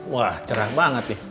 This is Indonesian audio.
wah cerah banget nih